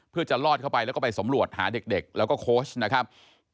เพื่อจะลอดเข้าไปแล้วก็ไปสำรวจหาเด็กแล้วก็โค้ชนะครับ